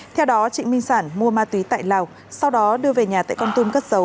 theo đó trịnh minh sản mua ma túy tại lào sau đó đưa về nhà tại con tum cất dấu